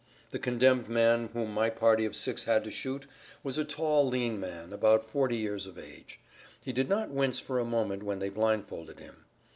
The condemned man whom my party of six had to shoot was a tall, lean man, about forty years of age. He did not wince for a moment when they blindfolded him.